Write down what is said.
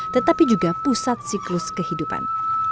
tetapi juga pusat siklus kehidupan